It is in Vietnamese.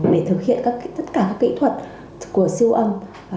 để thực hiện tất cả các kỹ thuật của siêu âm